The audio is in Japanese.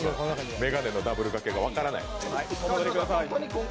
眼鏡のダブルがけが分からない。